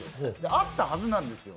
あったはずなんですよ。